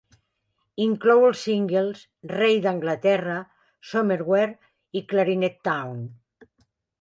Inclou els singles "rei d'Anglaterra", "Somewhere" i "clarinet Town".